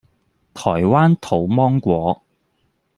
台灣土芒果